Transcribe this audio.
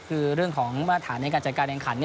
คือเรื่องของมาตรฐานในการจัดการแข่งขัน